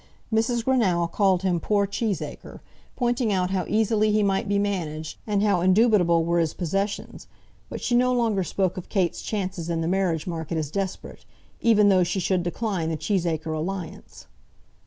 Mrs. Greenow called him poor Cheesacre, pointing out how easily he might be managed, and how indubitable were his possessions; but she no longer spoke of Kate's chances in the marriage market as desperate, even though she should decline the Cheesacre alliance.